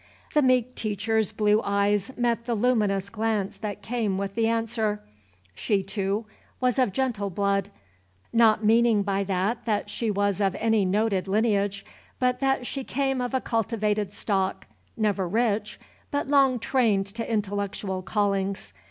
The meek teacher's blue eyes met the luminous glance that came with the question. She, too, was of gentle blood, not meaning by that that she was of any noted lineage, but that she came of a cultivated stock, never rich, but long trained to intellectual callings.